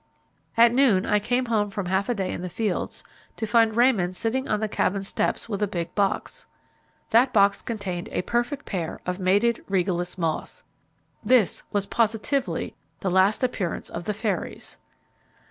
At noon I came home from half a day in the fields, to find Raymond sitting on the Cabin steps with a big box. That box contained a perfect pair of mated Regalis moths. This was positively the last appearance of the fairies.